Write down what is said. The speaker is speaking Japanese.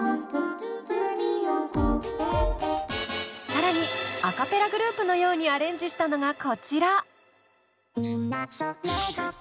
更にアカペラグループのようにアレンジしたのがこちら！